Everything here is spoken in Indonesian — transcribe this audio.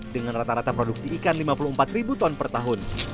dengan rata rata produksi ikan lima puluh empat ribu ton per tahun